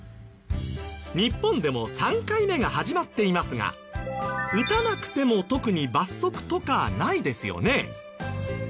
日本でも３回目が始まっていますが打たなくても特に罰則とかないですよね。